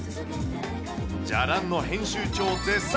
じゃらんの編集長絶賛。